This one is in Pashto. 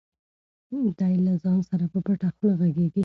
دی له ځان سره په پټه خوله غږېږي.